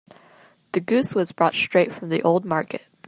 The goose was brought straight from the old market.